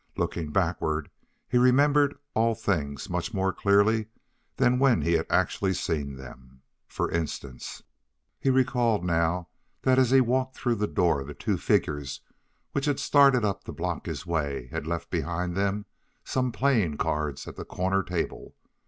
Looking backward, he remembered all things much more clearly than when he had actually seen them. For instance, he recalled now that as he walked through the door the two figures which had started up to block his way had left behind them some playing cards at the corner table.